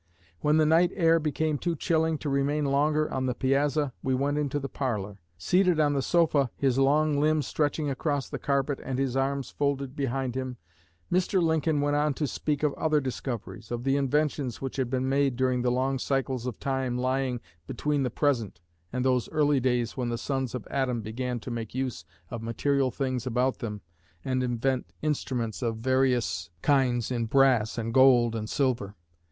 When the night air became too chilling to remain longer on the piazza we went into the parlor. Seated on the sofa, his long limbs stretching across the carpet and his arms folded behind him, Mr. Lincoln went on to speak of other discoveries, of the inventions which had been made during the long cycles of time lying between the present and those early days when the sons of Adam began to make use of material things about them and invent instruments of various kinds in brass and gold and silver.